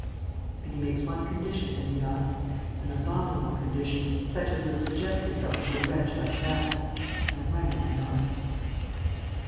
"And he makes one condition, does he not? An abominable condition, such as would suggest itself to a wretch like that? I am right, am I not?"